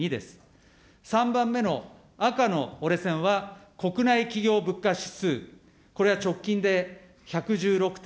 ３番目の赤の折れ線は、国内企業物価指数、これは直近で１１６．３です。